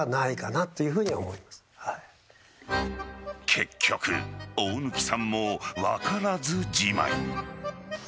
結局大貫さんも分からずじまい。